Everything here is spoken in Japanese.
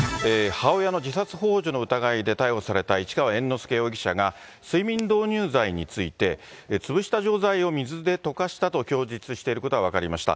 母親の自殺ほう助の疑いで逮捕された市川猿之助容疑者が、睡眠導入剤について、潰した錠剤を水で溶かしたと供述していることが分かりました。